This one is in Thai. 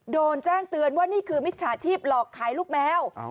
โดนแจ้งเตือนว่านี่คือมิจฉาชีพหลอกขายลูกแมว